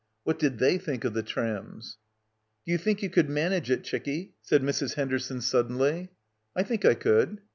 What did they think of the trams? "Do you think you could manage it, chickie?" said Mrs. Henderson suddenly. "I think I could."